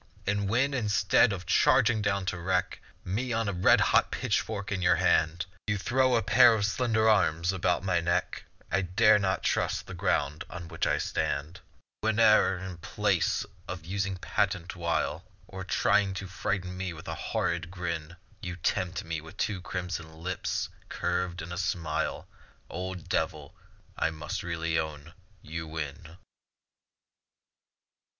And when, instead of charging down to wreck Me on a red hot pitchfork in your hand, You throw a pair of slender arms about my neck, I dare not trust the ground on which I stand. Whene'er in place of using patent wile, Or trying to frighten me with horrid grin, You tempt me with two crimson lips curved in a smile; Old Devil, I must really own, you win.